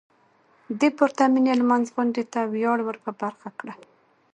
د پرتمينې لمانځغونډې ته وياړ ور په برخه کړه .